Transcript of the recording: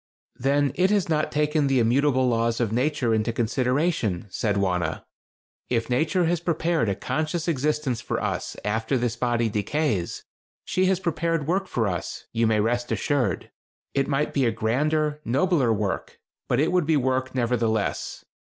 "Then it has not taken the immutable laws of Nature into consideration," said Wauna. "If Nature has prepared a conscious existence for us after this body decays, she has prepared work for us, you may rest assured. It might be a grander, nobler work; but it would be work, nevertheless.